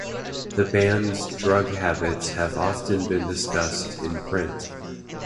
The band's drug habits have often been discussed in print.